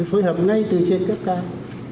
phối hợp ngay từ trên cấp cao